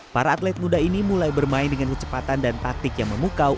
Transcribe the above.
para atlet muda ini mulai bermain dengan kecepatan dan taktik yang memukau